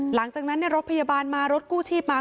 หลังจากนั้นรถพยาบาลมารถกู้ชีพมา